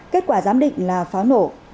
kết quả giám định là pháo nổ